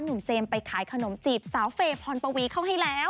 เจมส์ไปขายขนมจีบสาวเฟย์พรปวีเข้าให้แล้ว